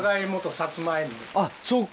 あっそうか。